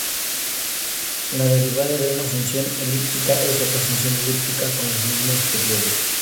La derivada de una función elíptica es otra función elíptica con los mismos periodos.